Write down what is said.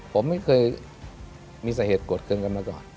ผมไม่เคยมีสาเหตุโกรธเครื่องกันมาก่อน